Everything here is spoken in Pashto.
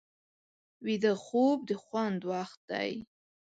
ویده خوب د خوند وخت دی